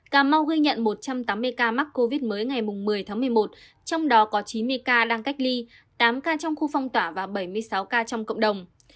cà mau ghi nhận một trăm tám mươi ca mắc covid một mươi tháng một mươi một trong đó có chín mươi ca đang cách ly tám ca trong khu phong tỏa và bảy mươi sáu ca trong cộng đồng